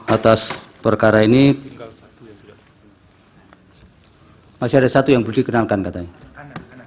atas perkara ini masih ada satu yang belum dikenalkan katanya